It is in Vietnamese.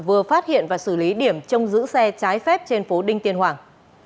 vừa phát hiện và xử lý điểm trông giữ xe trái phép trên phố đinh tiên hoàng